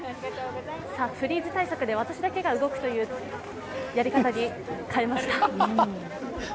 フリーズ対策で、私だけが動くというやり方に変えました。